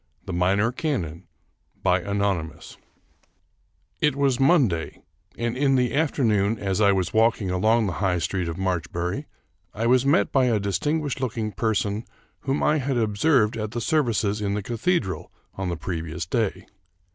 TAe Minor Canon It was Monday, and in the afternoon, as I was walk ing along the High Street of Marchbury, I was met by a distinguished looking person whom I had observed at the services in the cathedral on the previous day.